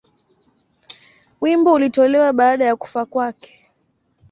Wimbo ulitolewa baada ya kufa kwake.